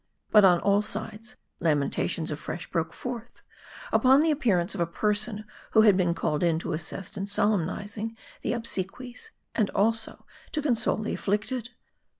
But on all sides, lamentations afresh broke forth, upon the appearance of a person who had been called in to assist in solemnizing the obsequies, and also to console the af flicted.